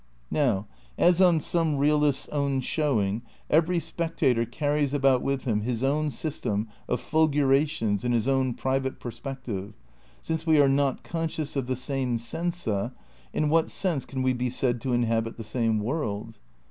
Now, as on some realists' own showing,^ every spec tator carries about with him his own system of fulgura tions and his own private perspective, since we are not conscious of the same sensa, in what sense can we be said to inhabit the same world?